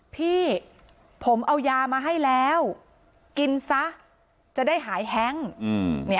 พี่ผมเอายามาให้แล้วกินซะจะได้หายแฮ้ง